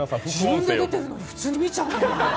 自分が出てるのに普通に見ちゃうもん。